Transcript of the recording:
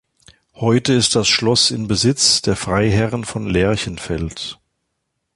Heute ist das Schloss in Besitz der Freiherren von Lerchenfeld.